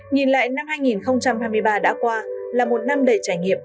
nhìn lại năm hai nghìn hai mươi ba đã qua là một năm đầy trải nghiệm